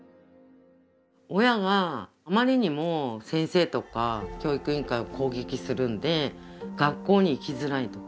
親があまりにも先生とか教育委員会を攻撃するんで学校に行きづらいとか。